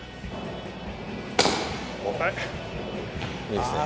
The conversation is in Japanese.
いいですね。